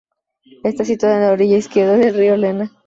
Está situada en en la orilla izquierda del río Lena.